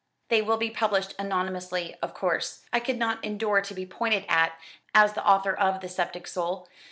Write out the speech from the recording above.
"They will be published anonymously, of course. I could not endure to be pointed at as the author of 'The Sceptic Soul.'